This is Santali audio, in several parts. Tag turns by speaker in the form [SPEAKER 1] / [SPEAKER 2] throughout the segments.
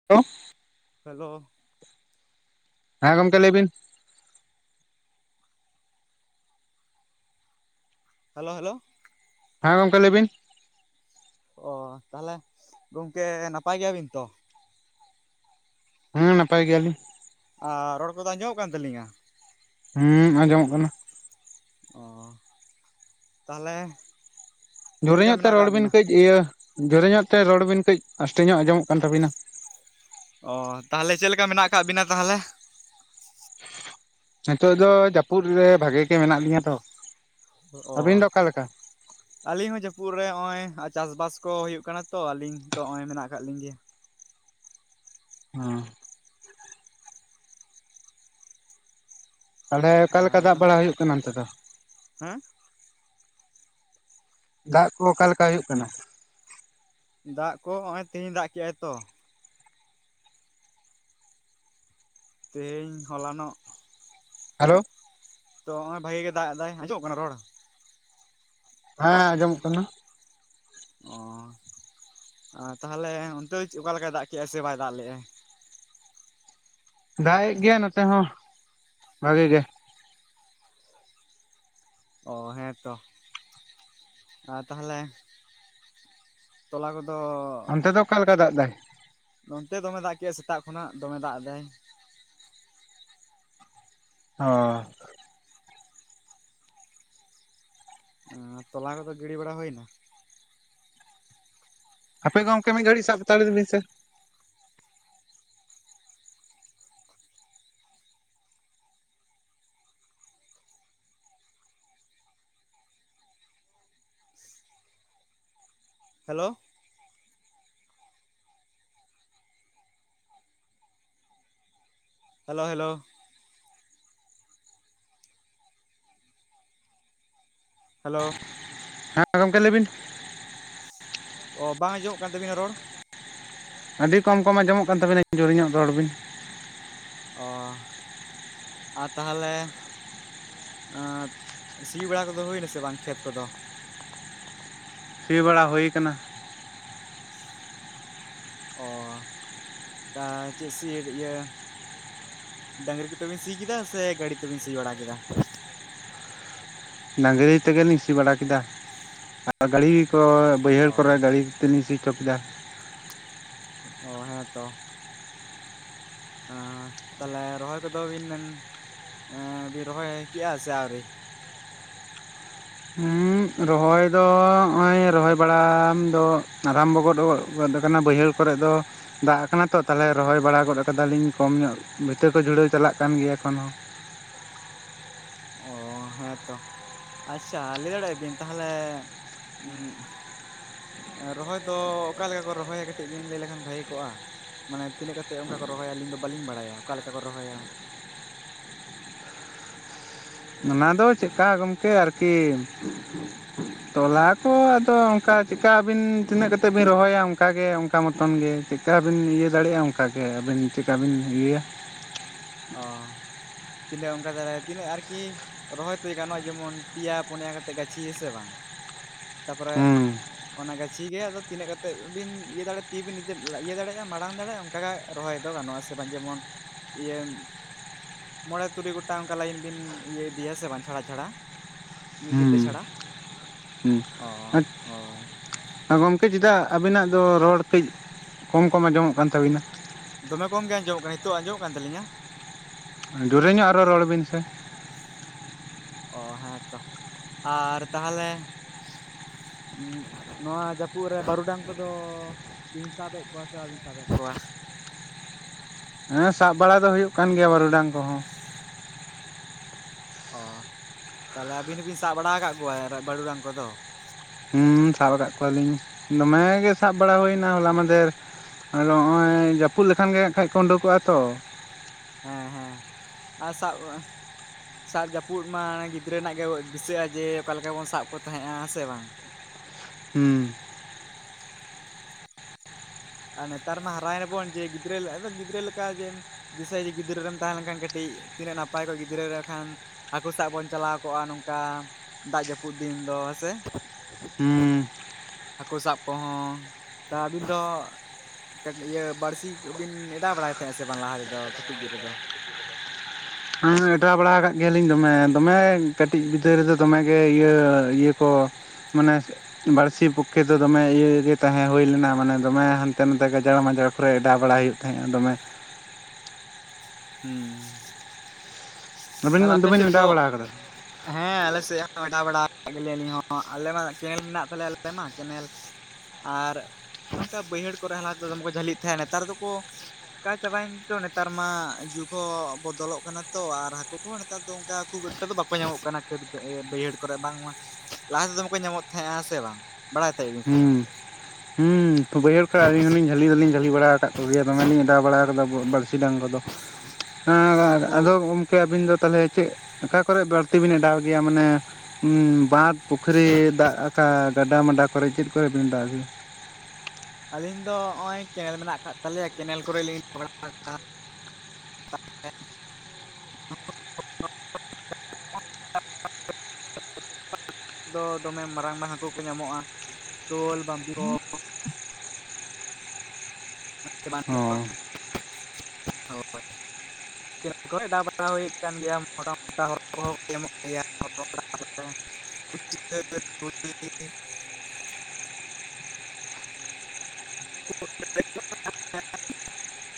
[SPEAKER 1] [unintelligible]
[SPEAKER 2] ᱦᱮᱞᱳ,
[SPEAKER 1] ᱦᱮᱸ ᱜᱚᱝᱠᱮ ᱞᱟᱹᱭ ᱵᱤᱱ?
[SPEAKER 2] ᱦᱮᱞᱳ, ᱦᱮᱞᱳ,
[SPEAKER 1] ᱦᱮᱸ ᱜᱚᱝᱠᱮ ᱞᱟᱹᱭᱵᱤᱱ᱾
[SPEAKER 2] ᱚ ᱛᱟᱦᱚᱞᱮ ᱜᱚᱝᱠᱮ ᱱᱟᱯᱟᱭ ᱜᱮᱭᱟᱵᱤᱱ ᱛᱚ?
[SPEAKER 1] ᱦᱩᱸ ᱱᱟᱯᱟᱭ ᱜᱮᱭᱟᱞᱤᱧ᱾
[SPEAKER 2] ᱟᱨ ᱨᱚᱲ ᱠᱚᱫᱚ ᱟᱸᱡᱚᱢᱚᱜ ᱠᱟᱱ ᱛᱟᱹᱞᱤᱧᱟ?
[SPEAKER 1] ᱦᱩᱸ, ᱟᱸᱡᱚᱢᱚᱜ ᱠᱟᱱᱟ᱾
[SPEAKER 2] ᱚᱸ ᱛᱟᱦᱚᱞᱮ ᱪᱮᱫ
[SPEAKER 1] ᱡᱚᱨᱮ
[SPEAKER 2] ᱞᱮᱠᱟ
[SPEAKER 1] ᱧᱚᱜ ᱛᱮ
[SPEAKER 2] ᱢᱮᱱᱟᱜ
[SPEAKER 1] ᱨᱚᱲ
[SPEAKER 2] ᱟᱠᱟᱫ
[SPEAKER 1] ᱵᱤᱱ
[SPEAKER 2] ᱵᱤᱱᱟ
[SPEAKER 1] ᱠᱟᱹᱡ ᱤᱭᱟᱹ ᱡᱚᱨᱮ ᱧᱚᱜ ᱛᱮ ᱨᱚᱲ ᱵᱤᱱ ᱠᱟᱹᱡ ᱟᱥᱛᱮ ᱧᱚᱜ ᱟᱸᱡᱚᱢᱚᱜ ᱠᱟᱱ ᱛᱟᱵᱤᱱᱟ,
[SPEAKER 2] ᱚᱻ ᱛᱟᱦᱚᱞᱮ ᱪᱮᱫ ᱞᱮᱠᱟ ᱢᱮᱱᱟᱜ ᱟᱠᱟᱫ ᱵᱤᱱᱟ ᱛᱟᱦᱚᱞᱮ?
[SPEAKER 1] ᱱᱤᱛᱳᱜ ᱫᱚ ᱡᱟᱹᱯᱩᱫ ᱨᱮ ᱵᱷᱟᱜᱤ ᱜᱮ ᱢᱮᱱᱟᱜ ᱞᱤᱧᱟᱹ ᱛᱚ᱾
[SPEAKER 2] ᱚᱻ
[SPEAKER 1] ᱟᱹᱵᱤᱱ ᱫᱚ ᱚᱠᱟᱞᱮᱠᱟ
[SPEAKER 2] ᱟᱹᱞᱤᱧ ᱦᱚᱸ ᱡᱟᱹᱯᱩᱫ ᱨᱮ ᱱᱚᱜ-ᱚᱭ ᱪᱟᱥᱵᱟᱥ ᱠᱚ ᱦᱩᱭᱩᱜ ᱠᱟᱱᱟ ᱛᱚ ᱟᱹᱞᱤᱧ ᱛᱚ ᱱᱚᱜ-ᱚᱭ ᱢᱮᱱᱟᱜ ᱟᱠᱟᱫ ᱞᱤᱧ ᱜᱮᱭᱟ᱾
[SPEAKER 1] ᱦᱮᱸ᱾ ᱛᱟᱦᱚᱞᱮ ᱚᱠᱟ ᱞᱮᱠᱟ ᱫᱟᱜ
[SPEAKER 2] ᱟᱨ
[SPEAKER 1] ᱵᱟᱲᱟ ᱦᱩᱭᱩᱜ ᱠᱟᱱᱟ ᱚᱱᱛᱮ ᱫᱚ?
[SPEAKER 2] ᱦᱮᱸ᱾
[SPEAKER 1] ᱫᱟᱜ ᱠᱚ ᱚᱠᱟ ᱞᱮᱠᱟ ᱦᱩᱭᱩᱜ ᱠᱟᱱᱟ?
[SPEAKER 2] ᱫᱟᱜ ᱠᱚ ᱱᱚᱜᱼᱚᱭ ᱛᱮᱦᱮᱧ ᱫᱟᱜ ᱠᱮᱜᱼᱟᱭ ᱛᱚ᱾ ᱛᱮᱦᱮᱧ ᱦᱚᱞᱟᱱᱚᱜ᱾
[SPEAKER 1] ᱦᱮᱞᱳ᱾
[SPEAKER 2] ᱛᱚ ᱱᱚᱜᱼᱚᱭ ᱵᱷᱟᱜᱤ ᱜᱮ ᱫᱟᱜ ᱮᱫᱟᱭ᱾ ᱟᱸᱡᱚᱢᱚᱜ ᱠᱟᱱᱟ ᱨᱚᱲ?
[SPEAKER 1] ᱦᱮᱸ ᱟᱸᱡᱚᱢᱚᱜ ᱠᱟᱱᱟ᱾
[SPEAKER 2] ᱚ ᱛᱟᱦᱚᱞᱮ ᱚᱱᱛᱮ ᱚᱠᱟ ᱞᱮᱠᱟᱭ ᱫᱟᱜᱽ ᱠᱮᱜᱼᱟ ᱥᱮ ᱵᱟᱭ ᱫᱟᱜᱽ ᱞᱮᱜᱼᱟᱭ?
[SPEAKER 1] ᱫᱟᱜ ᱮᱜ ᱜᱮᱭᱟ ᱱᱚᱛᱮ ᱦᱚᱸ ᱵᱷᱟᱜᱤ ᱜᱮ᱾
[SPEAKER 2] ᱚ ᱦᱮᱸᱛᱚ ᱟᱨ ᱛᱟᱦᱚᱞᱮ ᱛᱚᱞᱟ ᱠᱚᱫᱚ
[SPEAKER 1] ᱚᱱᱛᱮ ᱫᱚ ᱚᱠᱟ ᱞᱮᱠᱟ ᱫᱟᱜ ᱫᱟᱭ?
[SPEAKER 2] ᱱᱚᱱᱛᱮ ᱫᱚᱢᱮ ᱫᱟᱜ ᱠᱮᱫᱟᱭ ᱥᱮᱛᱟᱜ ᱠᱷᱚᱱᱟᱜ ᱫᱚᱢᱮ ᱫᱟᱜ ᱮᱫᱟᱭ᱾
[SPEAKER 1] ᱚᱻ
[SPEAKER 2] ᱛᱚᱞᱟ ᱠᱚᱫᱚ ᱜᱤᱰᱤ ᱵᱟᱲᱟ ᱦᱩᱭᱮᱱᱟ?
[SPEAKER 1] ᱦᱟᱯᱮ ᱜᱚᱢᱠᱮ ᱢᱤᱫ ᱜᱷᱟᱹᱲᱤ ᱥᱟᱵᱛᱟᱲ ᱞᱮᱫ ᱵᱤᱱ ᱥᱮ᱾
[SPEAKER 2] ᱦᱮᱞᱳ᱾ Hello, hello. ᱦᱮᱞᱳ᱾
[SPEAKER 1] ᱦᱮᱸ ᱜᱚᱢᱠᱮ ᱞᱟᱹᱭ ᱵᱤᱱ᱾
[SPEAKER 2] ᱚ ᱵᱟᱝ ᱟᱡᱚᱢᱚᱜ ᱠᱟᱱ ᱛᱟᱹᱵᱤᱱᱟ ᱨᱚᱲ᱾
[SPEAKER 1] ᱟᱹᱰᱤ ᱠᱚᱢ ᱠᱚᱢ‌ ᱟᱡᱚᱢᱚᱜ ᱠᱟᱱ ᱛᱟᱵᱤᱱᱟ ᱡᱩᱨ ᱧᱚᱜ ᱨᱚᱲ ᱵᱤᱱ᱾
[SPEAKER 2] ᱚ ᱟᱨ ᱛᱟᱦᱚᱞᱮ ᱥᱤᱭᱩᱜ ᱵᱟᱲᱟ ᱠᱚᱫᱚ ᱦᱩᱭᱱᱟ ᱥᱮ ᱵᱟᱝ ᱠᱷᱮᱛ ᱠᱚᱫᱚ?
[SPEAKER 1] ᱥᱤ ᱵᱟᱲᱟ ᱦᱳᱭ ᱟᱠᱟᱱᱟ᱾
[SPEAKER 2] ᱚ ᱪᱮᱫ [unintelligible] ᱤᱭᱟᱹ ᱰᱟᱹᱝᱨᱤ ᱠᱚᱛᱮ ᱵᱮᱱ ᱥᱤ ᱠᱮᱫᱟ ᱥᱮ ᱜᱟᱹᱰᱤ ᱛᱮᱵᱮᱱ ᱥᱤ ᱵᱟᱲᱟ ᱠᱮᱫᱟ?
[SPEAKER 1] ᱰᱟᱹᱝᱨᱤ ᱛᱮᱜᱮ ᱞᱤᱧ ᱥᱤ ᱵᱟᱲᱟ ᱠᱮᱫᱟ᱾ ᱟᱨ ᱜᱟᱹᱲᱤ ᱠᱚ
[SPEAKER 2] ᱚ
[SPEAKER 1] ᱵᱟᱹᱭᱦᱟᱹᱲ ᱠᱚᱨᱮ ᱜᱟᱹᱲᱤ ᱛᱮᱞᱤᱝ ᱥᱤ ᱪᱚ ᱠᱮᱫᱟ᱾
[SPEAKER 2] ᱚ ᱦᱮᱸ ᱛᱚ᱾ ᱛᱟᱦᱚᱞᱮ ᱨᱚᱦᱚᱭ ᱠᱚᱫᱚ ᱵᱤᱱ ᱵᱤᱱ ᱨᱚᱦᱚᱭ ᱠᱮᱜᱼᱟ ᱥᱮ ᱟᱹᱣᱨᱤ?
[SPEAKER 1] ᱦᱩᱸ ᱨᱚᱦᱚᱭ ᱫᱚ ᱱᱚᱜᱼᱚᱭ ᱨᱚᱦᱚᱭ ᱵᱟᱲᱟ ᱫᱚ ᱟᱨᱚᱢᱵᱷᱚ ᱜᱚᱫ-ᱜᱚᱫ ᱟᱠᱟᱱᱟ ᱵᱟᱹᱭᱦᱟᱹᱲ ᱠᱚᱨᱮ ᱫᱚ᱾ ᱫᱟᱜ ᱟᱠᱟᱱᱟ ᱛᱚ ᱛᱟᱞᱦᱮ ᱨᱚᱦᱚᱭ ᱵᱟᱲᱟ ᱜᱚᱫ ᱠᱟᱫᱟ ᱞᱤᱧ ᱠᱚᱢ ᱧᱚᱜ ᱵᱷᱤᱛᱟᱹ ᱠᱚ ᱡᱷᱩᱲᱟᱹᱣ ᱪᱟᱞᱟᱜ ᱠᱟᱱ ᱜᱮᱭᱟ ᱮᱠᱷᱚᱱ ᱦᱚᱸ᱾
[SPEAKER 2] ᱚ ᱦᱮᱸ ᱛᱚ ᱟᱪᱪᱷᱟ ᱞᱟᱹᱭ ᱫᱟᱲᱮ ᱵᱤᱱ ᱛᱟᱦᱚᱞᱮ ᱨᱚᱦᱚᱭ ᱫᱚ ᱚᱠᱟ ᱞᱮᱠᱟ ᱠᱚ ᱨᱚᱦᱚᱭᱟ ᱠᱟᱹᱴᱤᱡ ᱵᱤᱱ ᱞᱟᱹᱭ ᱞᱮᱠᱷᱟᱱ ᱵᱷᱟᱹᱜᱤ ᱠᱚᱜᱼᱟ᱾ ᱢᱟᱱᱮ ᱛᱤᱱᱟᱹᱜ ᱠᱟᱛᱮ ᱚᱱᱠᱟ ᱠᱚ ᱨᱚᱦᱚᱭᱟ ᱟᱹᱞᱤᱧ ᱫᱚ ᱵᱟᱹᱞᱤᱧ ᱵᱟᱲᱟᱭᱟ ᱚᱠᱟ ᱞᱮᱠᱟ ᱠᱚ ᱨᱚᱦᱚᱭᱟ᱾
[SPEAKER 1] ᱚᱱᱟ ᱫᱚ ᱪᱮᱫᱠᱟ ᱜᱚᱢᱠᱮ ᱟᱨᱠᱤ ᱛᱚᱞᱟ ᱟᱫᱚ ᱚᱱᱠᱟ ᱪᱮᱠᱟ ᱟᱹᱵᱤᱱ ᱛᱤᱱᱟᱹᱜ ᱠᱟᱛᱮ ᱵᱤᱱ ᱨᱚᱦᱚᱭᱟ ᱚᱱᱠᱟ ᱚᱱᱟᱜᱮ ᱚᱱᱠᱟ ᱢᱚᱛᱚᱱ ᱜᱮ ᱪᱮᱠᱟ ᱵᱤᱱ ᱤᱭᱟᱹ ᱫᱟᱲᱮᱭᱟᱜᱼᱟ ᱚᱱᱠᱟ ᱜᱮ ᱟᱹᱵᱤᱱ ᱪᱤᱠᱟ ᱵᱤᱱ ᱤᱭᱟᱹᱭᱟ᱾
[SPEAKER 2] ᱚ ᱛᱤᱱᱟᱹᱜ ᱚᱱᱠᱟ ᱛᱮ ᱛᱤᱱᱟᱹᱜ ᱟᱨᱠᱤ ᱨᱚᱦᱚᱭ ᱛᱮ ᱜᱟᱱᱚᱜᱼᱟ ᱡᱮᱢᱚᱱ ᱯᱮᱭᱟ ᱯᱩᱱᱭᱟ ᱠᱟᱛᱮᱫ ᱜᱟᱹᱪᱷᱤ ᱦᱮᱸᱥᱮ ᱵᱟᱝ ᱛᱟᱯᱚᱨᱮ
[SPEAKER 1] ᱦᱩᱸ
[SPEAKER 2] ᱚᱱᱟ ᱜᱟᱪᱷᱤ ᱜᱮ ᱟᱫᱚ ᱛᱤᱱᱟᱹᱜ ᱠᱟᱛᱮᱫ ᱵᱤᱱ ᱤᱭᱟᱹ ᱫᱟᱲᱮᱼᱟ ᱛᱤ ᱵᱤᱱ ᱤᱭᱟᱹ ᱫᱟᱲᱮᱭᱟᱜᱼᱟ ᱢᱟᱲᱟᱝ ᱫᱟᱲᱮᱭᱟᱜᱼᱟ ᱚᱝᱠᱟᱜᱮ ᱨᱚᱦᱚᱭ ᱫᱚ ᱜᱟᱱᱚᱜᱼᱟ ᱦᱮᱸᱥᱮ ᱵᱟᱝ ᱡᱮᱢᱚᱱ ᱤᱭᱟᱹ ᱢᱚᱬᱮ ᱛᱩᱨᱩᱭ ᱜᱚᱴᱟᱝ ᱚᱱᱠᱟ ᱞᱟᱭᱤᱱ ᱵᱤᱱ ᱤᱭᱟᱹ ᱤᱫᱤᱭᱟ ᱥᱮ ᱵᱟᱝ ᱪᱷᱟᱲᱟ ᱪᱷᱟᱲᱟ ᱢᱤᱫ ᱵᱤᱛᱟᱹ
[SPEAKER 1] ᱦᱩᱸ
[SPEAKER 2] ᱪᱷᱟᱲᱟ ᱚ
[SPEAKER 1] ᱦᱩᱸ
[SPEAKER 2] ᱦᱳᱭ᱾
[SPEAKER 1] ᱜᱚᱢᱠᱮ ᱪᱮᱫᱟᱜ ᱟᱵᱤᱱᱟᱜ ᱫᱚ ᱨᱚᱲ ᱠᱟᱹᱡ ᱠᱚᱢ ᱠᱚᱢ ᱟᱸᱡᱚᱢᱚᱜ ᱠᱟᱱ ᱛᱟᱹᱵᱤᱱᱟ?
[SPEAKER 2] ᱫᱚᱢᱮ ᱠᱚᱢ ᱜᱮ ᱟᱸᱡᱚᱢ ᱠᱟᱱᱟ ᱱᱤᱛᱚᱜᱜ ᱟᱸᱡᱚᱢᱚᱜ ᱠᱟᱱ ᱛᱞᱤᱧᱟ?
[SPEAKER 1] ᱡᱳᱩᱨᱮ ᱧᱚᱜ ᱟᱨᱚ ᱨᱚᱲ ᱵᱤᱱ ᱥᱮ᱾
[SPEAKER 2] ᱚ ᱦᱮᱸ ᱛᱚ ᱟᱨ ᱛᱟᱦᱚᱞᱮ ᱩᱸᱜ ᱱᱚᱣᱟ ᱡᱟᱹᱯᱩᱫ ᱨᱮ ᱵᱟᱹᱨᱩᱰᱟᱝ ᱠᱚᱫᱚ ᱵᱤᱱ ᱥᱟᱵᱮᱜ ᱠᱚᱣᱟ ᱥᱮ ᱵᱟᱹᱵᱤᱱ ᱥᱟᱵᱮᱜ ᱠᱚᱣᱟ?
[SPEAKER 1] ᱦᱮᱸ ᱥᱟᱵ ᱵᱟᱲᱟ ᱫᱚ ᱦᱩᱭᱩᱜ ᱠᱟᱱ ᱜᱮᱭᱟ ᱵᱟᱹᱨᱩᱰᱟᱝ ᱠᱚᱦᱚᱸ᱾
[SPEAKER 2] ᱚ ᱛᱟᱦᱚᱞᱮ ᱟᱹᱵᱤᱱ ᱦᱚᱸᱵᱤᱱ ᱥᱟᱵ ᱵᱟᱲᱟ ᱠᱟᱫ ᱠᱚᱣᱟ ᱵᱟᱹᱨᱩ ᱰᱟᱝ ᱠᱚᱫᱚ?
[SPEAKER 1] ᱦᱮᱸ ᱥᱟᱵ ᱠᱟᱫ ᱠᱚᱣᱟᱞᱤᱧ ᱫᱚᱢᱮ ᱜᱮ ᱥᱟᱵ ᱵᱟᱲᱟ ᱦᱩᱭᱱᱟ ᱦᱚᱞᱟ ᱢᱟᱫᱷᱮᱨ, ᱟᱫᱚ ᱦᱚᱸᱜᱼᱚᱭ ᱡᱟᱹᱯᱩᱫ ᱞᱮᱠᱷᱟᱱ ᱜᱮ ᱦᱟᱸᱜ ᱠᱷᱡ ᱠᱚ ᱩᱰᱩᱠᱚᱜᱼᱟ ᱛᱚ᱾
[SPEAKER 2] ᱦᱮᱸ ᱦᱮᱸ ᱟ ᱥᱟᱵ ᱥᱟᱵ ᱡᱟᱹᱯᱩᱫ ᱢᱟ ᱜᱤᱫᱽᱨᱟᱹ ᱨᱮᱱᱟᱜ ᱜᱮ ᱫᱤᱥᱟᱹᱜᱼᱟ ᱡᱮ ᱚᱠᱟ ᱞᱮᱠᱟ ᱵᱚᱱ ᱥᱟᱵ ᱠᱚ ᱛᱟᱦᱮᱸᱜᱼᱟ ᱦᱮᱸ ᱥᱮ ᱵᱟᱝ?
[SPEAKER 1] ᱦᱩᱸ᱾
[SPEAKER 2] ᱟᱨ ᱱᱮᱛᱟᱨ ᱢᱟ ᱦᱟᱨᱟᱭᱱᱟᱵᱚᱱ ᱡᱮ ᱜᱤᱫᱽᱨᱟᱹ ᱜᱤᱫᱽᱨᱟᱹ ᱞᱮᱠᱟ ᱡᱮ ᱫᱤᱥᱟᱹᱭ ᱡᱮ ᱜᱤᱫᱽᱨᱟᱹ ᱨᱮᱢ ᱛᱟᱦᱮᱸ ᱞᱮᱱᱠᱷᱟᱱ ᱠᱟᱹᱴᱤᱡ ᱛᱤᱱᱟᱹᱜ ᱱᱟᱯᱟᱭ ᱠᱚᱜ ᱜᱤᱫᱽᱨᱟᱹ ᱨᱮᱠᱷᱟᱱ ᱦᱟᱹᱠᱩ ᱥᱟᱵ ᱵᱚᱱ ᱪᱟᱞᱟᱣ ᱠᱚᱜᱼᱟ ᱱᱚᱝᱠᱟ ᱫᱟᱜ ᱡᱟᱹᱯᱩᱫ ᱫᱤᱱ ᱫᱚ ᱦᱮᱸᱥᱮ?
[SPEAKER 1] ᱦᱩᱸ᱾
[SPEAKER 2] ᱦᱟᱹᱠᱩ ᱥᱟᱵ ᱠᱚᱦᱚᱸ ᱛᱚ ᱟᱹᱵᱤᱱ ᱫᱚ ᱠᱟᱹᱡ ᱤᱭᱟᱹ ᱵᱟᱹᱲᱥᱤ ᱵᱤᱱ ᱮᱰᱟᱣ ᱵᱟᱲᱟᱭ ᱛᱟᱦᱮᱸᱜ ᱥᱮ ᱵᱟᱝ ᱞᱟᱦᱟ ᱛᱮᱫᱚ ᱠᱟᱹᱴᱤᱡ [unintelligible] ᱨᱮᱫᱚ?
[SPEAKER 1] ᱦᱮᱸ ᱮᱰᱟᱣ ᱵᱟᱲᱟ ᱠᱟᱫ ᱜᱮᱭᱟᱞᱤᱧ ᱫᱚᱢᱮ ᱫᱚᱢᱮ ᱠᱟᱹᱴᱤᱡ ᱜᱤᱫᱟᱹ ᱨᱮᱫᱚ ᱫᱚᱢᱮᱜᱮ ᱤᱭᱟᱹ ᱤᱭᱟᱹ ᱠᱚ ᱢᱟᱱᱮ ᱵᱟᱹᱲᱥᱤ ᱯᱚᱠᱠᱷᱮ ᱫᱚ ᱫᱚᱢᱮ ᱤᱭᱮ ᱛᱟᱦᱮᱸ ᱦᱩᱭ ᱞᱮᱱᱟ ᱢᱟᱱᱮ ᱫᱚᱢᱮ ᱦᱟᱸᱱᱛᱮ ᱱᱟᱛᱮ ᱜᱟᱡᱟᱲᱼᱡᱟᱲ ᱠᱚᱨᱮ ᱮᱰᱟᱣ ᱵᱟᱲᱟᱟᱭ ᱦᱩᱭᱩᱜ ᱛᱟᱦᱮᱸᱫᱼᱟ ᱫᱚᱢᱮ
[SPEAKER 2] ᱦᱩᱸ
[SPEAKER 1] ᱟᱹᱵᱤᱱ
[SPEAKER 2] ᱛᱟᱦᱚᱞᱮ ᱟᱯᱮ
[SPEAKER 1] ᱫᱚᱵᱤᱱ
[SPEAKER 2] ᱥᱮᱫ ᱫᱚ
[SPEAKER 1] ᱮᱰᱟᱣ ᱵᱟᱲᱟ ᱟᱠᱟᱫᱟ
[SPEAKER 2] ᱦᱮᱸ ᱟᱞᱮ ᱥᱮᱫ ᱦᱚᱸ ᱮᱰᱟᱣ ᱵᱟᱲᱟ ᱠᱟᱜ ᱜᱮᱭᱟᱞᱤᱧ ᱦᱚᱸ ᱟᱞᱮ ᱢᱟ ᱠᱮᱱᱮᱞ ᱢᱮᱱᱟᱜ ᱛᱟᱞᱮᱭᱟ ᱟᱞᱮ ᱢᱟ ᱠᱮᱱᱮᱞ ᱟᱨ ᱚᱱᱠᱟ ᱵᱟᱹᱭᱦᱟᱹᱲ ᱠᱚᱨᱮ ᱞᱟᱦᱟ ᱛᱮᱫᱚ ᱫᱚᱢᱮ ᱠᱚ ᱡᱷᱟᱹᱞᱤᱜ ᱛᱟᱦᱮᱸᱜ ᱱᱮᱛᱟᱨ ᱫᱚᱠᱚ ᱚᱠᱟ ᱪᱟᱵᱟᱭᱮᱱ ᱛᱚ ᱱᱮᱛᱟᱨ ᱢᱟ ᱡᱩᱜ ᱦᱚᱸ ᱵᱚᱫᱚᱞᱚᱜ ᱠᱟᱱᱟ ᱛᱚ ᱟᱨ ᱦᱟᱹᱠᱩ ᱠᱚᱦᱚᱸ ᱱᱮᱛᱟᱨ ᱫᱚ ᱚᱝᱠᱟ ᱠᱷᱩᱵ ᱮᱠᱴᱟ ᱫᱚ ᱵᱟᱠᱚ ᱧᱟᱢᱚᱜ ᱠᱟᱱᱟ᱾ ᱠᱷᱟᱹᱫᱽ ᱵᱟᱹᱭᱦᱟᱹᱲ ᱠᱚᱨᱮ ᱵᱟᱝᱢᱟ ᱞᱟᱦᱟ ᱛᱮᱫᱚ ᱢᱟᱠᱚ ᱧᱟᱢᱚᱜ ᱛᱟᱦᱮᱸᱜᱼᱟᱸ ᱥᱮ ᱵᱟᱝ ᱵᱟᱲᱟᱭ ᱛᱟᱦᱮᱸᱫ ᱵᱤᱱ ᱥᱮ ᱵᱟᱝ?
[SPEAKER 1] ᱦᱩᱸ ᱦᱩᱸ ᱵᱟᱹᱭᱦᱟᱹᱲ ᱠᱚᱨᱮᱜ ᱟᱹᱞᱤᱧᱞᱤᱧ ᱦᱩᱞᱤᱧ ᱡᱷᱟᱹᱞᱤ ᱫᱚᱞᱤᱧ ᱡᱷᱟᱹᱞᱤ ᱵᱟᱲᱟ ᱠᱟᱫ ᱠᱚ ᱜᱮᱭᱟ ᱫᱚᱢᱮᱞᱤᱧ ᱮᱰᱟᱣ ᱵᱟᱲᱟ ᱠᱟᱫᱟ ᱵᱟᱹᱲᱥᱤ ᱰᱟᱝ ᱠᱚᱫᱚ᱾
[SPEAKER 2] [inaudible]
[SPEAKER 1] ᱦᱮᱸ
[SPEAKER 2] ᱩᱱᱠᱩ
[SPEAKER 1] ᱟᱫᱚ ᱜᱚᱝ ᱠᱮ ᱟᱹᱵᱤᱱ ᱫᱚ ᱛᱟᱦᱚᱞᱮ ᱪᱮᱫ ᱚᱠᱟ ᱠᱚᱨᱮ ᱵᱟᱹᱲᱛᱤ ᱵᱤᱱ ᱚᱰᱟᱣ ᱜᱮᱭᱟ ᱢᱟᱱᱮ ᱵᱟᱸᱫᱽ ᱯᱩᱠᱷᱨᱤ ᱫᱟᱜ ᱟᱠᱟ ᱜᱟᱰᱟ ᱢᱟᱰᱟ ᱠᱚᱨᱮ ᱪᱮᱫ ᱠᱚᱨᱮ ᱵᱮᱤᱱ ᱚᱰᱟᱣ ᱜᱮᱭᱟ?
[SPEAKER 2] ᱟᱹᱞᱤᱧ ᱫᱚ ᱱᱚᱸᱜᱼᱚᱭ ᱠᱮᱱᱮᱞ ᱢᱮᱱᱟᱜ ᱠᱟᱫ ᱛᱟᱞᱮᱭᱟ ᱠᱮᱱᱮᱞ ᱠᱚᱨᱮ ᱞᱤᱧ [unintelligible] ᱫᱚ ᱫᱚᱢᱮ ᱢᱟᱨᱟᱝ ᱢᱟᱨᱟᱝ ᱦᱟᱹᱠᱩ ᱠᱚ ᱧᱟᱢᱚᱜᱼᱟ ᱥᱳᱞ [unintelligible]
[SPEAKER 1] ᱚ᱾
[SPEAKER 2] ᱦᱳᱭ᱾ ᱠᱮᱱᱮᱞ ᱠᱚᱨᱮ ᱮᱰᱟᱣ ᱵᱟᱲᱟ ᱦᱩᱭᱩᱜ ᱠᱟᱱ ᱜᱮᱭᱟ ᱢᱚᱴᱟ ᱢᱚᱴᱟ ᱦᱚᱲ ᱠᱚᱦᱚᱸ ᱠᱚ ᱧᱟᱢᱚᱜ ᱜᱮᱭᱟ [unintelligible] [inaudible] [unintelligible]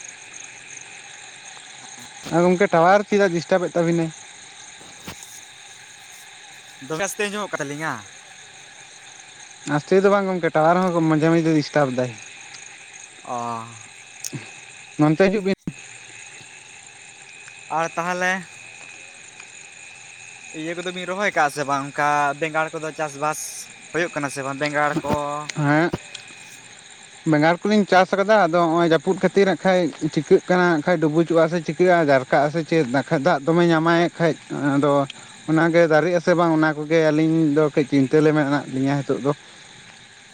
[SPEAKER 1] ᱟᱨ ᱜᱚᱢᱠᱮ ᱴᱟᱣᱟᱨ ᱪᱮᱫᱟᱜ ᱰᱤᱥᱴᱟᱵᱮᱫ ᱛᱟᱵᱤᱱᱟᱭ?
[SPEAKER 2] [inaudible] ᱫᱚᱢᱮ ᱟᱥᱛᱮ ᱟᱸᱡᱚᱢᱚᱜ ᱠᱟᱱᱛᱟᱞᱤᱧᱟ ᱾
[SPEAKER 1] ᱟᱥᱛᱮ ᱫᱚ ᱵᱟᱝ ᱜᱚᱢᱠᱮ ᱴᱟᱣ ᱟᱨ ᱦᱚᱸ ᱢᱟᱡᱷᱮ ᱢᱟᱡᱷᱮ ᱰᱤᱥᱴᱟᱯ ᱫᱟᱭ᱾
[SPEAKER 2] ᱚᱻ
[SPEAKER 1] ᱢᱟᱱᱛᱮ ᱦᱤᱡᱩᱜ ᱵᱤᱱ
[SPEAKER 2] ᱟᱨ ᱛᱟᱦᱚᱞᱮ- ᱤᱭᱟᱹ ᱠᱚᱫᱚ ᱵᱤᱱ ᱨᱚᱦᱚᱭ ᱟᱠᱟᱟᱜ-ᱟ ᱥᱮ ᱵᱟᱝ ᱚᱱᱠᱟ ᱵᱮᱸᱜᱟᱲ ᱠᱚᱫᱚ ᱪᱟᱥᱵᱟᱥ? ᱦᱳᱭᱳᱜ ᱠᱟᱱᱟ ᱥᱮ ᱵᱟᱝ ᱵᱮᱸᱜᱟᱲ ᱠᱚ?
[SPEAKER 1] [inaudible] ᱵᱮᱸᱜᱟᱲ ᱠᱚᱞᱤᱧ ᱪᱟᱥ ᱟᱠᱟᱫᱟ, ᱟᱫᱚ ᱱᱚᱜ-ᱚᱭ ᱡᱟᱹᱯᱩᱫ‌ ᱠᱷᱟᱹᱛᱤᱨ ᱦᱟᱸᱜ ᱠᱷᱟᱡ ᱪᱤᱠᱟᱹᱜ ᱠᱟᱱᱟ ᱠᱷᱟᱡ ᱰᱩᱵᱩᱡᱚᱜ-ᱟ ᱥᱮ ᱪᱤᱠᱟᱹᱜ-ᱟ ᱡᱟᱨ ᱠᱟᱜ-ᱟ ᱥᱮ ᱪᱮᱫ? [unintelligible] ᱫᱟᱜ ᱫᱚᱢᱮᱭ ᱧᱟᱢᱟᱭ ᱠᱷᱟᱡ ᱟᱫᱚ ᱚᱱᱟ ᱜᱮ ᱫᱟᱨᱮᱜ ᱟᱥᱮ ᱵᱟᱝ? ᱚᱱᱟ ᱠᱚᱜᱮ ᱟᱹᱞᱤᱧ ᱫᱚ ᱠᱟᱹᱡ ᱪᱤᱱᱛᱟᱹ ᱨᱮ ᱢᱮᱱᱟᱜ ᱞᱤᱧᱟᱹ ᱱᱤᱛᱚᱜ ᱫᱚ ᱾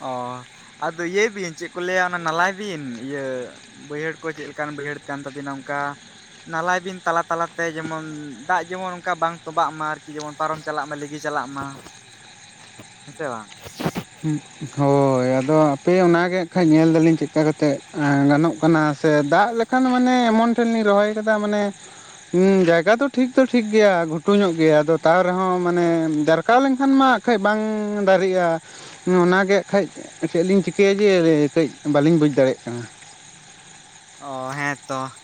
[SPEAKER 2] ᱚᱻ ᱾ ᱟᱫᱚ ᱤᱭᱟᱹᱭ ᱵᱤᱱ ᱪᱮᱜ ᱠᱚ ᱞᱟᱹᱭᱟ ᱚᱱᱟ ᱱᱟᱞᱟᱭ ᱵᱤᱱ ᱤᱭᱟᱹ ᱵᱟᱹᱭᱦᱟᱹᱲ ᱠᱚ ᱪᱮᱜ ᱞᱮᱠᱟᱱ ᱵᱟᱹᱭᱦᱟᱹᱲ ᱠᱟᱱ ᱛᱟᱵᱤᱱᱟ ᱚᱱᱠᱟ ᱱᱟᱞᱟᱭ ᱵᱤᱱ ᱛᱟᱞᱟ ᱛᱟᱞᱟᱛᱮ ᱡᱮᱢᱚᱱ ᱫᱟᱜ ᱡᱮᱢᱚᱱ ᱚᱱᱠᱟ ᱵᱟᱝ ᱛᱚᱵᱟᱜ ᱢᱟ ᱟᱨᱠᱤ, ᱡᱮᱢᱚᱱ ᱯᱟᱨᱚᱢ ᱪᱟᱞᱟᱜ ᱢᱟ, ᱞᱤᱸᱜᱤ ᱪᱟᱞᱟᱜ ᱢᱟ, ᱦᱮᱸ ᱥᱮ ᱵᱟᱝ?
[SPEAKER 1] ᱦᱩᱜ, ᱦᱳᱭ ᱟᱫᱚ ᱛᱮ ᱚᱱᱟ ᱜᱮ ᱠᱷᱟᱡ ᱧᱮᱞ ᱫᱟᱞᱤᱧ ᱪᱮᱫ ᱠᱟ ᱠᱟᱛᱮ ᱮ ᱻ ᱜᱟᱱᱚᱜ ᱠᱟᱱᱟ ᱥᱮ ᱫᱟᱜ ᱞᱮᱠᱷᱟᱱ ᱢᱟᱱᱮ ᱮᱢᱚᱱ ᱴᱤᱞᱤᱧ ᱨᱚᱦᱚᱭ ᱠᱟᱫᱟ ᱢᱟᱱᱮ ᱦᱩᱸ ᱡᱟᱭᱜᱟ ᱫᱚ ᱴᱷᱤᱠ ᱫᱚ ᱴᱷᱤᱠ ᱜᱮᱭᱟ ᱜᱷᱩᱴᱩ ᱧᱚᱜ ᱜᱮᱭᱟ ᱟᱫᱚ ᱛᱟᱣ ᱨᱮᱦᱚᱸ ᱢᱟᱱᱮ ᱡᱟᱨ ᱠᱟᱣ ᱞᱮᱱᱠᱷᱟᱱ ᱢᱟ ᱠᱷᱟᱡ ᱵᱟᱝ ᱻ ᱫᱟᱨᱤᱜᱼᱟ᱾ ᱦᱩᱸ ᱚᱱᱟ ᱜᱮ ᱠᱷᱟᱡ ᱪᱮᱫᱞᱤᱧ ᱪᱤᱠᱟᱹᱭᱟ ᱡᱮ ᱠᱟᱹᱡ ᱵᱟᱞᱤᱧ ᱵᱩᱡᱽ ᱫᱟᱲᱮᱭᱟᱜ ᱠᱟᱱᱟ ᱾
[SPEAKER 2] ᱚᱻ ᱦᱮᱸ ᱛᱚ ᱾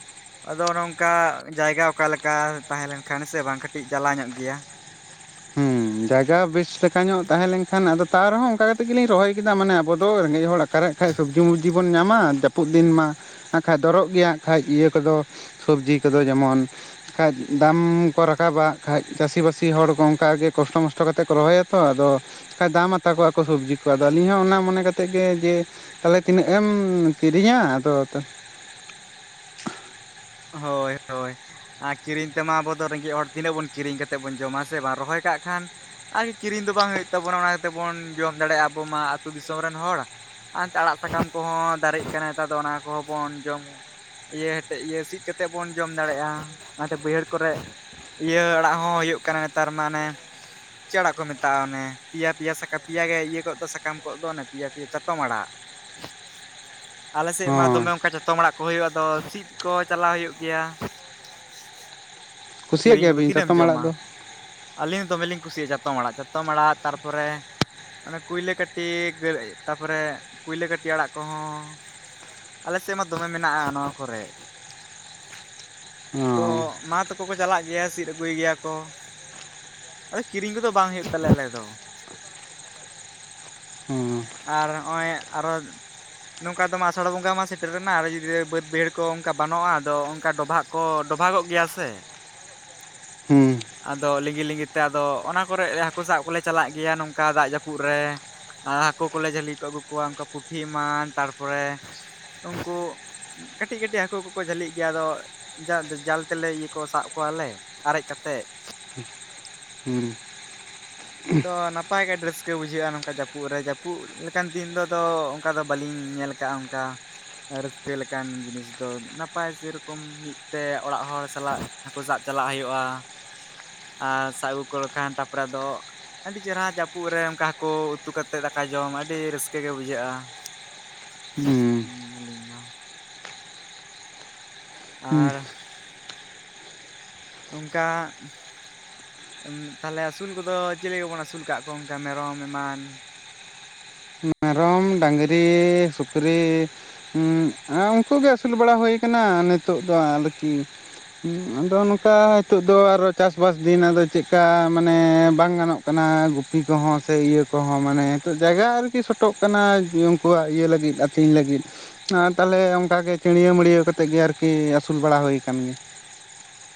[SPEAKER 2] ᱟᱫᱚ ᱱᱚᱝᱠᱟ ᱡᱟᱭᱜᱟ ᱚᱠᱟ ᱞᱮᱠᱟ ᱛᱟᱦᱮᱸ ᱞᱮᱱᱠᱷᱟᱱ ᱥᱮ‌ ᱵᱟᱝ ᱠᱟᱹᱴᱤᱡ ᱡᱟᱞᱟᱣ ᱧᱚᱜ ᱜᱮᱭᱟ ᱾
[SPEAKER 1] ᱦᱩᱸ ᱡᱟᱭᱜᱟ ᱵᱮᱥ ᱞᱮᱠᱟ ᱧᱚᱜ ᱛᱟᱦᱮᱸ ᱞᱮᱱᱠᱷᱟᱱ ᱟᱫᱚ ᱛᱟᱣ ᱨᱮᱦᱚᱸ ᱚᱱᱠᱟ ᱠᱟᱛᱮᱜ ᱜᱮᱞᱤᱧ ᱨᱚᱦᱚᱭ ᱠᱮᱫᱟ ᱢᱟᱱᱮ ᱟᱵᱚ ᱫᱚ ᱨᱮᱸᱜᱮᱡ ᱦᱚᱲ ᱥᱟᱨ ᱟᱜ ᱠᱷᱟᱡ ᱥᱚᱵᱡᱤ ᱢᱚᱵᱡᱤ ᱵᱚᱱ ᱧᱟᱢᱟ ᱡᱟᱹᱯᱩᱫ ᱫᱤᱱ ᱢᱟ ᱟᱜᱠᱷᱟᱡ ᱫᱚᱨᱚᱜ ᱜᱮᱭᱟ ᱟᱜᱠᱷᱟᱡ ᱤᱭᱟᱹ ᱠᱚᱫᱚ ᱥᱚᱵᱡᱤ ᱠᱚᱫᱚ ᱡᱮᱢᱚᱱ ᱠᱷᱟᱡ ᱫᱟᱢᱻ ᱠᱚ ᱨᱟᱠᱟᱵᱟ ᱠᱷᱟᱡ ᱪᱟᱹᱥᱤ ᱵᱟᱹᱥᱤ ᱦᱚᱲ ᱚᱝᱠᱟ ᱜᱮ ᱠᱚᱥᱴᱚ ᱢᱚᱥᱴᱚ ᱠᱟᱛᱮ ᱠᱚ ᱨᱚᱦᱚᱭᱟ ᱛᱚ ᱟᱫᱚ ᱠᱟ ᱫᱟᱢ ᱟᱛᱟ ᱠᱚᱣᱟ ᱠᱚ ᱥᱚᱵᱡᱤ ᱠᱚ ᱟᱫᱚ ᱟᱹᱞᱤᱧ ᱦᱚᱸ ᱚᱱᱟ ᱢᱚᱱᱮ ᱠᱟᱛᱮᱜ ᱜᱮ ᱡᱮ ᱛᱟᱦᱮᱞᱮ ᱛᱤᱱᱟᱹᱜ ᱮᱢ ᱠᱤᱨᱤᱧᱟᱻ ᱟᱫᱚ
[SPEAKER 2] ᱦᱳᱭ ᱦᱳᱭ ᱾ ᱟᱻ ᱠᱤᱨᱤᱧ ᱛᱮᱢᱟ ᱟᱵᱚ ᱫᱚ ᱨᱮᱸᱜᱮᱡ ᱦᱚᱲ ᱛᱤᱱᱟᱹᱜ ᱵᱚᱱ ᱠᱤᱨᱤᱧ ᱠᱟᱛᱮᱜ ᱵᱚᱱ ᱡᱚᱢᱟ ᱥᱮ ᱵᱟᱝ ᱨᱚᱦᱚᱭ ᱠᱟᱜ ᱠᱷᱟᱱ ᱟᱨ ᱻ ᱠᱤᱨᱤᱧ ᱫᱚ ᱵᱟᱝ ᱦᱩᱭᱩᱜ ᱛᱟᱵᱚᱱᱟ ᱚᱱᱟ ᱛᱮ ᱵᱚᱱ ᱡᱚᱢ ᱫᱟᱲᱮᱭᱟᱜ-ᱟ ᱟᱵᱚ ᱢᱟ ᱾ ᱟᱹᱛᱩ ᱫᱤᱥᱚᱢ ᱨᱮᱱ ᱦᱚᱲ ᱟᱱᱛᱮ ᱟᱲᱟᱜ ᱥᱟᱠᱟᱢ ᱠᱚᱦᱚᱸ ᱫᱟᱨᱮᱜ ᱠᱟᱱᱟ ᱱᱮᱛᱟᱨ ᱫᱚ ᱚᱱᱟ ᱠᱚᱦᱚᱸ ᱵᱚᱱ ᱡᱚᱢ, ᱤᱭᱟᱹ ᱦᱮᱴᱮᱡ ᱤᱭᱟᱹ ᱥᱤᱜ ᱠᱟᱛᱮᱜ ᱵᱚᱱ ᱡᱚᱢ ᱫᱟᱲᱮᱭᱟᱜ-ᱟ ᱚᱱᱟᱛᱮ ᱵᱟᱹᱭᱦᱟᱹᱲ ᱠᱚᱨᱮᱜ ᱤᱭᱟᱹ ᱟᱲᱟᱜ ᱦᱚᱸ ᱦᱩᱭᱩᱜ ᱠᱟᱱᱟ ᱱᱮᱛᱟᱨ ᱢᱟᱱᱮ ᱪᱮᱜ ᱟᱲᱟᱜ ᱠᱚ ᱢᱮᱛᱟᱜ-ᱟ ᱚᱱᱮ ᱯᱮᱭᱟ, ᱯᱮᱭᱟ ᱥᱟᱠᱟᱢ, ᱯᱮᱭᱟ ᱜᱮ ᱤᱭᱟᱹ ᱠᱚᱜ ᱫᱚ ᱥᱟᱠᱟᱢ ᱠᱚᱜ ᱫᱚ, ᱚᱱᱮ ᱯᱮᱭᱟ, ᱯᱮᱭᱟ, ᱪᱟᱛᱚᱢ ᱟᱲᱟᱜ ᱾ ᱟᱞᱮ ᱥᱮᱫ ᱢᱟ
[SPEAKER 1] ᱦᱚᱸ
[SPEAKER 2] ᱫᱚᱢᱮ ᱚᱱᱠᱟ ᱪᱟᱛᱚᱢ ᱟᱲᱟᱜ ᱠᱚ ᱦᱩᱭᱩᱜ-ᱟ ᱟᱫᱚ ᱥᱤᱫ ᱠᱚᱡ‌ ᱪᱟᱞᱟᱣ ᱦᱩᱭᱩᱜ ᱜᱮᱭᱟ ᱾
[SPEAKER 1] ᱠᱩᱥᱤᱭᱟᱜ
[SPEAKER 2] ᱠᱤᱨᱤᱧ ᱠᱚᱫᱚ
[SPEAKER 1] ᱜᱮᱭᱟᱵᱤᱱ
[SPEAKER 2] ᱛᱤᱱᱟᱹᱜ ᱮᱢ
[SPEAKER 1] ᱪᱟᱛᱚᱢ ᱟᱲᱟᱜ
[SPEAKER 2] ᱡᱚᱢᱟ᱾
[SPEAKER 1] ᱫᱚ
[SPEAKER 2] ᱟᱹᱞᱤᱧ ᱦᱚᱸ ᱫᱚᱢᱮᱞᱤᱧ ᱠᱩᱥᱤᱭᱟᱜ-ᱟ ᱪᱟᱛᱚᱢ ᱟᱲᱟᱜ ᱾ ᱪᱟᱛᱚᱢ ᱟᱲᱟᱜ ᱛᱟᱨᱯᱚᱨᱮ ᱚᱱᱮ ᱠᱩᱭᱞᱟᱹ ᱠᱟᱹᱴᱤ ᱜᱮᱨᱮᱜ ᱛᱟᱨᱯᱚᱨᱮ ᱠᱩᱭᱞᱟᱹ ᱠᱟᱹᱴᱤ ᱟᱲᱟᱜ ᱠᱚᱦᱚᱸ ᱟᱞᱮ ᱥᱮᱜ ᱢᱟ ᱫᱚᱢᱮ ᱢᱮᱱᱟᱜ-ᱟ ᱱᱚᱣᱟ ᱠᱚᱨᱮ ᱾
[SPEAKER 1] ᱚ
[SPEAKER 2] ᱛᱚ
[SPEAKER 1] ᱦᱚᱸ
[SPEAKER 2] ᱢᱟ ᱛᱟᱠᱚ ᱠᱚ ᱪᱟᱞᱟᱜ ᱜᱮᱭᱟ ᱥᱤᱫ ᱟᱹᱜᱩᱭ ᱜᱮᱭᱟ ᱠᱚ ᱾ ᱳᱭ ᱠᱤᱨᱤᱧ ᱠᱚᱫᱚ ᱵᱟᱝ ᱦᱩᱭᱩᱜ ᱛᱟᱞᱮᱭᱟ ᱟᱞᱮᱭᱟᱜ ᱫᱚ᱾
[SPEAKER 1] ᱦᱩᱸ
[SPEAKER 2] ᱟᱨ ᱦᱚᱸᱜ-ᱚᱭ ᱟᱨᱚ ᱱᱚᱝᱠᱟ ᱫᱚ ᱢᱟ ᱟᱥᱟᱲ ᱵᱚᱸᱜᱟ ᱢᱟ ᱥᱮᱴᱮᱨ ᱮᱱᱟ, ᱟᱨ ᱦᱚᱸ ᱡᱩᱫᱤ ᱵᱟᱹᱫᱽ ᱵᱟᱹᱭᱦᱟᱹᱲ ᱠᱚ ᱚᱝᱠᱟ ᱵᱟᱱᱚᱜ-ᱟ, ᱟᱫᱚ ᱚᱝᱠᱟ ᱰᱚᱵᱦᱟᱜ ᱠᱚ ᱰᱚᱵᱦᱟᱜᱚᱜ ᱜᱮᱭᱟ ᱥᱮ
[SPEAKER 1] ᱦᱩᱸ᱾
[SPEAKER 2] ᱟᱫᱚ ᱞᱤᱸᱜᱤ ᱞᱤᱸᱜᱤ ᱛᱮ ᱟᱫᱚ ᱚᱱᱟ ᱠᱚᱨᱮᱜ ᱮ ᱦᱟᱹᱠᱩ ᱥᱟᱵ ᱠᱚᱞᱮ ᱪᱟᱞᱟᱜ ᱜᱮᱭᱟ ᱱᱚᱝᱠᱟ ᱫᱟᱜ ᱡᱟᱹᱯᱩᱫ ᱨᱮ᱾ ᱟᱻ ᱦᱟᱹᱠᱩ ᱠᱚᱞᱮ ᱡᱷᱟᱹᱞᱤ ᱠᱚ ᱟᱹᱜᱩ ᱠᱚᱣᱟ ᱚᱱᱠᱟ ᱯᱩᱴᱷᱤ ᱮᱢᱟᱱ‌ᱻ ᱛᱟᱨᱯᱚᱨᱮ ᱩᱝᱠᱩ ᱠᱟᱹᱴᱤᱡ ᱠᱟᱹᱴᱤᱡ ᱦᱟᱹᱠᱩ ᱠᱚᱠᱚ ᱡᱷᱟᱹᱞᱤᱜ ᱜᱮᱭᱟ ᱟᱫᱚ ᱡᱟᱣ ᱫᱚ ᱡᱟᱞ ᱛᱮᱞᱮ ᱤᱭᱟᱹ ᱠᱚ ᱥᱟᱵ ᱠᱚᱣᱟᱞᱮ, ᱟᱨᱮᱡ ᱠᱟᱛᱮᱜ᱾
[SPEAKER 1] ᱦᱩᱸ᱾
[SPEAKER 2] ᱛᱚ ᱱᱟᱯᱟᱭ ᱜᱮ ᱟᱹᱰᱤ ᱨᱟᱹᱥᱠᱟᱹ ᱵᱩᱡᱷᱟᱹᱜ-ᱟ ᱱᱚᱝᱠᱟ ᱡᱟᱹᱯᱩᱫ ᱨᱮ᱾ ᱡᱟᱹᱯᱩᱫ ᱞᱮᱠᱟᱱ ᱫᱤᱱ ᱫᱚ ᱟᱫᱚ ᱚᱜᱠᱟ ᱫᱚ ᱵᱟᱹᱞᱤᱧ ᱧᱮᱞ ᱠᱟᱜ-ᱟ ᱚᱝ ᱠᱟ᱾ ᱨᱟᱹᱥᱠᱟᱹ ᱞᱮᱠᱟᱱ ᱡᱤᱱᱤᱥ ᱫᱚ ᱱᱟᱯᱟᱭ ᱥᱮᱨᱚᱠᱚᱢ ᱢᱤᱫ ᱛᱮ ᱚᱲᱟᱜ ᱦᱚᱲ ᱥᱟᱞᱟᱜ ᱦᱟᱹᱠᱩ ᱥᱟᱵ ᱪᱟᱞᱟᱜ ᱦᱩᱭᱩᱜ-ᱟ, ᱟᱨ ᱥᱟᱵ ᱟᱹᱜᱩ ᱠᱚ ᱞᱮᱠᱷᱟᱱ ᱛᱟᱨᱯᱚᱨᱮ ᱟᱫᱚ ᱟᱹᱰᱤ ᱪᱮᱨᱦᱟ ᱡᱟᱹᱯᱩᱫ ᱨᱮ ᱚᱝᱠᱟ ᱦᱟᱹᱠᱩ ᱩᱛᱩ ᱠᱟᱛᱮᱫ ᱫᱟᱠᱟ ᱡᱚᱢ ᱟᱹᱰᱤ ᱨᱟᱹᱥᱠᱟᱹ ᱜᱮ ᱵᱩᱡᱷᱟᱹᱜ-ᱟ᱾ ᱦᱩᱸ ᱟᱞᱤᱧ ᱫᱚ᱾
[SPEAKER 1] ᱦᱩᱸ
[SPEAKER 2] ᱟᱨ ᱚᱝᱠᱟ ᱛᱟᱦᱞᱮ ᱟᱹᱥᱩᱞ ᱠᱚᱫᱚ ᱪᱤᱞᱤ ᱠᱚᱵᱚᱱ ᱟᱹᱥᱩᱞ ᱠᱟᱜ ᱠᱚᱣᱟ ᱚᱝᱠᱟ ᱢᱮᱨᱚᱢ ᱮᱢᱟᱱ?
[SPEAKER 1] ᱢᱮᱨᱚᱢ, ᱰᱟᱝᱨᱤ, ᱥᱩᱠᱨᱤ ᱩᱸᱜ, ᱟᱨ ᱩᱱᱠᱩ ᱜᱮ ᱟᱹᱥᱩᱞ ᱵᱟᱲᱟ ᱦᱩᱭ ᱠᱟᱱᱟ ᱱᱤᱛᱚᱜ ᱫᱚ ᱟᱨᱠᱤ ᱟᱫᱚ ᱱᱚᱝᱠᱟ ᱱᱤᱛᱚᱜ ᱫᱚ ᱟᱨᱚ ᱪᱟᱥᱵᱥ ᱫᱤᱱ ᱟᱫᱚ ᱪᱮᱫᱠᱟ ᱢᱟᱱᱮ ᱵᱟᱝ ᱜᱟᱱᱚᱜ ᱠᱟᱱᱟ ᱜᱩᱯᱤ ᱠᱚᱦᱚᱸ ᱥᱮ ᱤᱭᱟᱹ ᱠᱚᱦᱚᱸ ᱢᱟᱱᱮ ᱱᱤᱛᱚᱜ ᱡᱟᱭᱜᱟ ᱟᱨ ᱠᱤ ᱥᱚᱴᱚᱜ ᱠᱟᱱᱟ ᱩᱱᱠᱩᱣᱟᱜ ᱤᱭᱟᱹ ᱞᱟᱹᱜᱤᱫ ᱟᱹᱛᱤᱧ ᱞᱟᱹᱜᱤᱫ᱾ ᱟᱨ ᱛᱟᱦᱞᱮ ᱚᱝᱠᱟᱜᱮ ᱪᱟᱹᱬᱭᱟᱹᱣ ᱢᱟᱹᱲᱭᱟᱹᱣ ᱠᱟᱛᱮᱫ ᱜᱮ ᱟᱨᱠᱤ ᱟᱹᱥᱩᱞ ᱵᱟᱲᱟ ᱦᱩᱭ ᱟᱠᱟᱱ ᱜᱮᱭᱟ᱾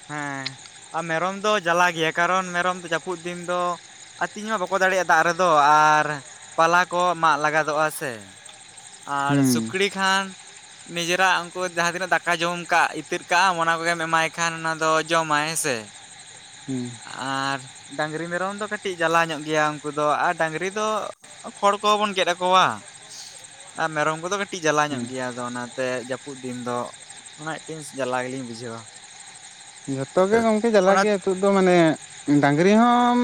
[SPEAKER 2] ᱦᱮᱸ ᱟᱨ ᱢᱮᱨᱚᱢ ᱫᱚ ᱡᱟᱞᱟ ᱜᱮᱭᱟ ᱠᱟᱨᱚᱱ ᱢᱮᱨᱚᱢ ᱫᱚ ᱡᱟᱹᱯᱩᱫ ᱫᱤᱱ ᱫᱚ ᱟᱹᱛᱤᱧ ᱦᱚᱸ ᱵᱟᱠᱚ ᱫᱟᱲᱮᱭᱟᱜ-ᱟ ᱫᱟᱜ ᱨᱮᱫᱚ ᱟᱨ ᱯᱟᱞᱟ ᱠᱚ ᱢᱟᱜ ᱞᱟᱜᱟᱫᱚᱜ-ᱟ ᱥᱮ, ᱟᱨ
[SPEAKER 1] ᱦᱩᱸ
[SPEAKER 2] ᱥᱩᱠᱲᱤ ᱠᱷᱟᱱ ᱱᱤᱡᱮᱨᱟᱜ ᱩᱝᱠᱩ ᱡᱟᱦᱟᱸ ᱛᱤᱱᱟᱹᱜ ᱫᱟᱠᱟ ᱡᱚᱢ ᱠᱟᱜ ᱤᱛᱟᱹᱛ ᱠᱟᱜ-ᱟᱢ ᱚᱱᱟ ᱠᱚᱜᱮᱢ ᱮᱢᱟᱭ ᱠᱷᱟᱱ ᱚᱱᱟ ᱫᱚ ᱡᱚᱢᱟᱭ ᱦᱮᱸ ᱥᱮ᱾
[SPEAKER 1] ᱦᱩᱸ᱾
[SPEAKER 2] ᱟᱨ ᱰᱟᱹᱟᱝᱨᱤ, ᱢᱮᱨᱚᱢ ᱫᱚ ᱠᱟᱹᱴᱤᱡ ᱡᱟᱞᱟ ᱧᱚᱜ ᱜᱮᱭᱟ ᱩᱝᱠᱩ ᱫᱚ ᱟᱨ ᱰᱟᱝᱨᱤ ᱫᱚ ᱠᱷᱚᱲ ᱠᱚᱦᱚᱸᱵᱚᱱ ᱜᱮᱫ ᱟᱠᱚᱣᱟ᱾ ᱟᱨ ᱢᱮᱨᱚᱢ ᱠᱚᱫᱚ ᱠᱟᱹᱴᱤᱡ ᱡᱟᱞᱟ
[SPEAKER 1] ᱦᱩᱸ
[SPEAKER 2] ᱧᱚᱜ ᱜᱮᱭᱟ ᱟᱫᱚ ᱚᱱᱟᱛᱮ ᱡᱟᱹᱯᱩᱫ ᱫᱤᱱ ᱫᱚ᱾ ᱚᱱᱟ ᱢᱤᱫᱴᱮᱱ ᱡᱟᱞᱟ ᱜᱮᱞᱤᱧ ᱵᱩᱡᱷᱟᱹᱣᱟ᱾
[SPEAKER 1] ᱡᱚᱛᱚ ᱜᱮ ᱜᱚᱝᱠᱮ ᱡᱟᱞᱟᱜ
[SPEAKER 2] ᱚᱱᱟ
[SPEAKER 1] ᱜᱮᱭᱟ ᱱᱤᱛᱚᱜ ᱫᱚ ᱢᱟᱱᱮ ᱰᱟᱝᱨᱤ ᱦᱚᱸ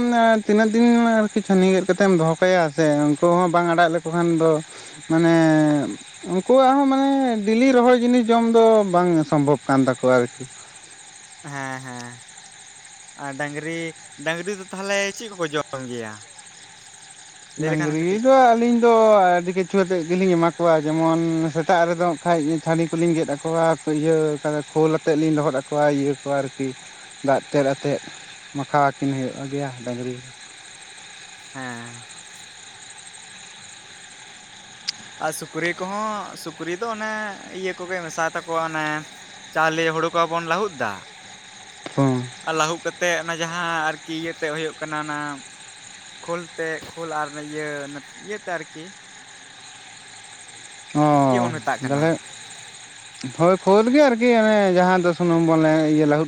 [SPEAKER 1] ᱛᱤᱱᱟᱹᱜ ᱫᱤᱱ ᱟᱨᱠᱤ ᱪᱷᱟᱹᱱᱤ ᱜᱮᱫ ᱠᱟᱛᱮᱢ ᱫᱚᱦᱚ ᱠᱟᱭᱟ ᱥᱮ ᱩᱱᱠᱩ ᱦᱚᱸ ᱵᱟᱝ ᱟᱲᱟᱜ ᱞᱮᱠ ᱠᱚ ᱠᱷᱟᱱ ᱫᱚ ᱢᱟᱱᱮ ᱩᱱᱠᱩᱣᱟᱜ ᱦᱚᱸ ᱢᱟᱱᱮ ᱰᱮᱞᱤ ᱨᱚᱦᱚᱲ ᱡᱤᱱᱤᱥ ᱡᱚᱢ ᱫᱚ ᱵᱟᱝ ᱥᱚᱢᱵᱷᱚᱵ ᱠᱟᱱ ᱛᱟᱠᱚᱣᱟ ᱟᱨᱠᱤ᱾
[SPEAKER 2] ᱦᱮᱸ ᱦᱮᱸ᱾ ᱟᱨ ᱰᱟᱹᱝᱨᱤ, ᱰᱟᱹᱟᱝᱨᱤ ᱫᱚ ᱛᱟᱦᱞᱮ ᱪᱮᱫ ᱠᱚᱠᱚ ᱡᱚᱢ ᱜᱮᱭᱟ? ᱞᱟᱹᱭ ᱞᱮᱠᱷᱟᱱ
[SPEAKER 1] ᱰᱟᱹᱝᱨᱤ
[SPEAKER 2] ᱠᱟᱹᱴᱤᱡ
[SPEAKER 1] ᱫᱚ ᱟᱹᱞᱤᱧ ᱫᱚ ᱟᱹᱰᱤ ᱠᱤᱪᱷᱩ ᱟᱛᱮᱫ ᱜᱮᱞᱤᱧ ᱮᱢᱟ ᱠᱚᱣᱟ ᱡᱮᱢᱚᱱ ᱥᱮᱛᱟᱜ ᱨᱮᱫᱚ ᱦᱟᱸᱜ ᱠᱷᱟᱡ ᱪᱷᱟᱹᱱᱤ ᱠᱚᱞᱤᱧ ᱜᱮᱫ ᱟᱠᱚᱣᱟ᱾ ᱤᱭᱟᱹ ᱠᱟᱫᱟ ᱠᱷᱳᱞ ᱟᱛᱮᱫ ᱞᱤᱧ ᱞᱚᱦᱚᱫ ᱟᱠᱚᱣᱟ ᱤᱭᱟᱹ ᱠᱚᱣᱟ ᱟᱨᱠᱤ ᱫᱟᱜ ᱛᱮᱫ ᱟᱛᱮᱫ᱾ ᱢᱟᱠᱷᱟᱣ ᱟᱹᱠᱤᱱ ᱦᱩᱭᱩᱜ ᱜᱮᱭᱟ ᱰᱟᱹᱟᱝᱨᱤ᱾
[SPEAKER 2] ᱦᱮᱸ ᱾ ᱟᱨ ᱥᱩᱠᱨᱤ ᱠᱚᱦᱚᱸ ᱥᱩᱠᱨᱤ ᱫᱚ ᱚᱱᱮ ᱤᱭᱟᱹ ᱠᱚᱜᱮ ᱢᱮᱥᱟ ᱟᱛᱟᱠᱚᱣᱟ ᱚᱱᱮ ᱪᱟᱣᱞᱮ ᱦᱳᱲᱳ ᱠᱚ ᱵᱟᱵᱚᱱ ᱞᱟᱹᱟᱦᱩᱫ ᱫᱟ
[SPEAKER 1] ᱦᱩᱸ ᱾
[SPEAKER 2] ᱟᱨ ᱞᱟᱹᱦᱩᱜ ᱠᱟᱛᱮ ᱚᱱᱟ ᱡᱟᱦᱟᱸ ᱟᱨᱠᱤ ᱤᱭᱟᱹᱛᱮ ᱦᱩᱭᱩᱜ ᱠᱟᱱᱟ ᱚᱱᱟ ᱠᱷᱞ ᱛᱮ ᱠᱷᱞ ᱟᱨ ᱚᱱᱮ ᱤᱭᱟᱹ ᱤᱭᱟᱹᱛᱮ ᱟᱨᱠᱤ
[SPEAKER 1] ᱚ
[SPEAKER 2] ᱪᱮᱫ ᱵᱚᱱ ᱢᱮᱛᱟᱜ ᱠᱟᱱᱟ
[SPEAKER 1] ᱛᱟᱦᱚᱞᱮ ᱦᱳᱭ ᱠᱷᱳᱞ ᱜᱮ ᱟᱨᱠᱤ ᱚᱱᱮ ᱡᱟᱦᱟᱸ ᱫᱚ ᱥᱩᱱᱩᱢ ᱵᱚᱱᱮ ᱤᱭᱟᱹ ᱞᱟᱦᱩᱫ